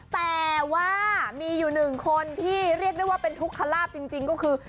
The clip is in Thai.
แต่ว่ามีอยู่หนึ่งคนที่เรียกได้ว่าเป็นทุกขลาบจริงก็คือ